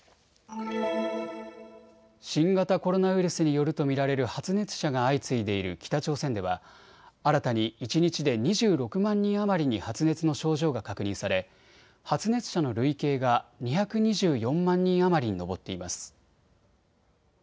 新型コロナウイルスによると見られる発熱者が相次いでいる北朝鮮では新たに一日で２６万人余りに発熱の症状が確認され発熱者の累計が２２４万人余りに上っています。